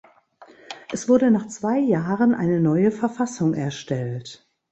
Es wurde nach zwei Jahren eine neue Verfassung erstellt.